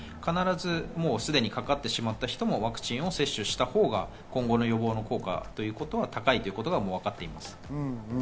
すでにかかってしまった人もワクチンを接種したほうが今後の予防効果は高いということがわかっています。